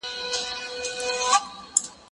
ته ولي ښوونځی ته ځې،